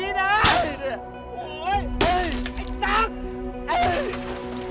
ไอ้ตั๊ก